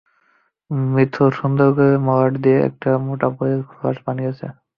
মিথু সুন্দর করে মলাট দিয়ে একটা মোটা বইয়ের খোলস বানিয়ে রেখেছে।